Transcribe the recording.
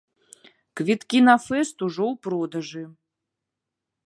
Квіткі на фэст ужо ў продажы.